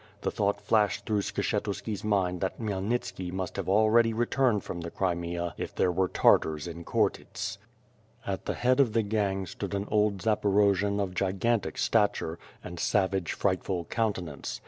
The thought flashed through Skshetuski's mind that Khmyelnitski must have already re turned from the Crimea if there were Tartars in Khortyts. At the head of the gang, stood an old Zaporojian of gigan tic stature, and savage, frightful countenance.